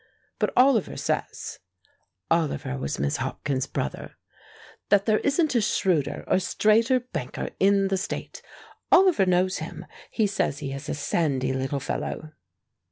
But Oliver says" (Oliver was Miss Hopkins's brother) "that there isn't a shrewder or straighter banker in the state. Oliver knows him. He says he is a sandy little fellow."